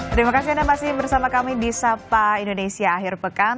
terima kasih anda masih bersama kami di sapa indonesia akhir pekan